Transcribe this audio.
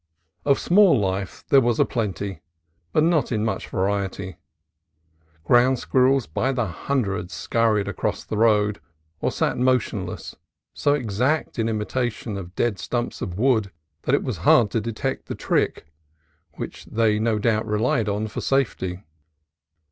Of small life there was plenty, but not in much variety. Ground squirrels by hundreds scurried across the road, or sat motionless, so exact an imi tation of dead stumps of wood that it was hard to detect the trick, which they no doubt relied on fof safety.